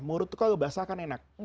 murut itu kalau basah kan enak